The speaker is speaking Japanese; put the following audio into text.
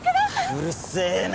うるせぇな。